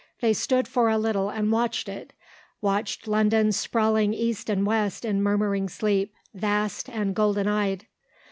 They stood for a little and watched it; watched London sprawling east and west in murmuring sleep, vast and golden eyed.